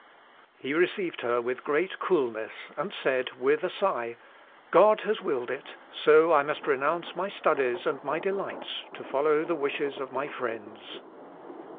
He received her with great coolness, and said, with a sigh, "God has willed it; so I must renounce my studies and my delights, to follow the wishes of my friends."